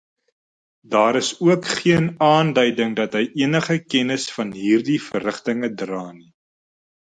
Daar is ook geen aanduiding dat hy enige kennis van hierdie verrigtinge dra nie.